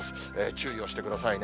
注意をしてくださいね。